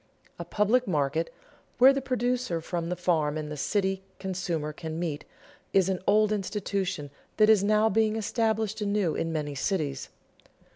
A public market, where the producer from the farm and the city consumer can meet, is an old institution that is now being established anew in many cities.